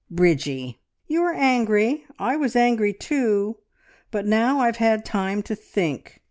... Bridgie! You are angry; I was angry too, but now I've had time to think.